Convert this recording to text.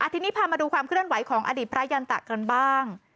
ทีนี้พามาดูความเคลื่อนไหวของอดีตพระยันตะกันบ้าง